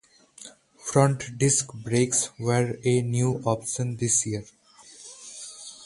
Front disc brakes were a new option this year.